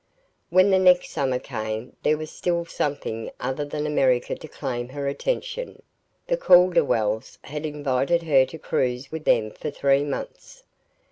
When the next summer came there was still something other than America to claim her attention: the Calderwells had invited her to cruise with them for three months.